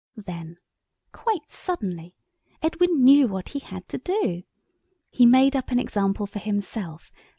Then quite suddenly Edwin knew what he had to do. He made up an example for himself.